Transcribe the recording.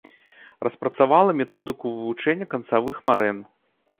Распрацавала методыку вывучэння канцавых марэн.